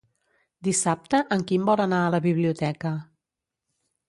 Dissabte en Quim vol anar a la biblioteca.